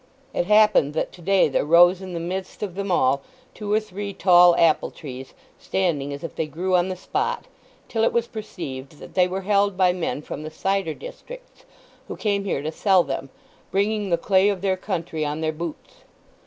It happened that to day there rose in the midst of them all two or three tall apple trees standing as if they grew on the spot; till it was perceived that they were held by men from the cider districts who came here to sell them, bringing the clay of their county on their boots.